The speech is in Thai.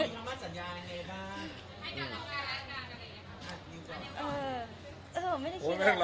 โหไม่ได้ร้อง